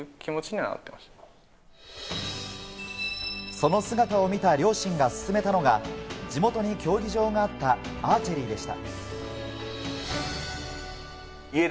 その姿を見た両親が勧めたのが、地元に競技場があったアーチェリーでした。